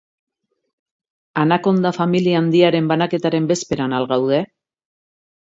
Anakonda familia handiaren banaketaren bezperan al gaude?